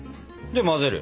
で混ぜる？